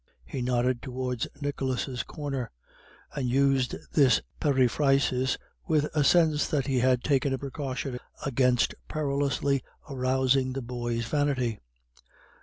He nodded towards Nicholas's corner, and used this periphrasis with a sense that he had taken a precaution against perilously arousing the boy's vanity.